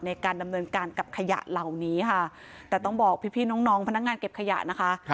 ในการดำเนินการกับขยะเหล่านี้ค่ะแต่ต้องบอกพี่น้องพนักงานเก็บขยะนะคะ